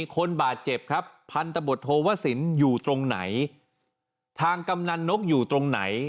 คนบาดเจ็บครับพันธบทโทวสินอยู่ตรงไหนทางกำนันนกอยู่ตรงไหน